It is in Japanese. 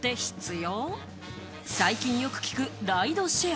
そして最近よく聞く、ライドシェア。